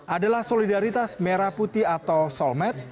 adalah solidaritas merah putih atau solmed